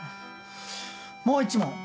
もう１問！